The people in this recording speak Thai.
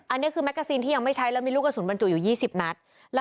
อันนี้คือแกซีนที่ยังไม่ใช้แล้วมีลูกกระสุนบรรจุอยู่๒๐นัด